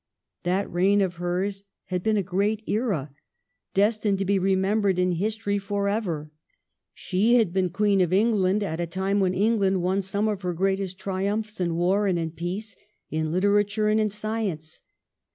That reign of hers had been a great era, destined to be remem bered in history for ever. She had been Queen of England at a time when England won some of her greatest triumphs in war and in peace, in literature and in science.